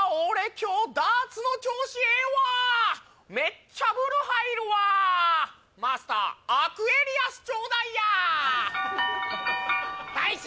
今日ダーツの調子ええわメッチャブル入るわマスターアクエリアスちょうだいや大将